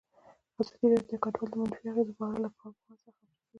ازادي راډیو د کډوال د منفي اغېزو په اړه له کارپوهانو سره خبرې کړي.